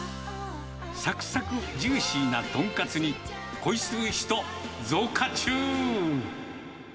さくさく、ジューシーなトンカツに、恋する人、増加中。